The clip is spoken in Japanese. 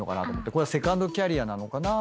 これはセカンドキャリアなのかな？とか。